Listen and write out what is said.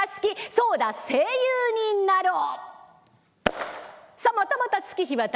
そうだ講談師になろう」。